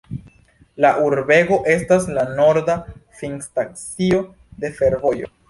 La urbego estas la norda finstacio de fervojo.